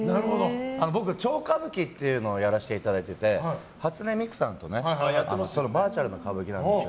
僕、「超歌舞伎」というのをやらせていただいてて初音ミクさんとバーチャルな歌舞伎なんですよ。